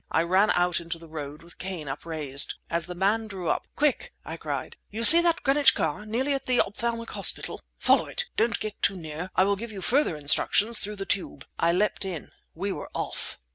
I ran out into the road with cane upraised. As the man drew up— "Quick!" I cried. "You see that Greenwich car—nearly at the Ophthalmic Hospital? Follow it. Don't get too near. I will give you further instructions through the tube." I leapt in. We were off!